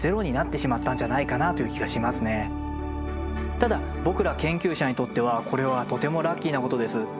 ただ僕ら研究者にとってはこれはとてもラッキーなことです。